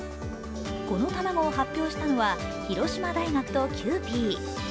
この卵を発表したのは、広島大学とキユーピー。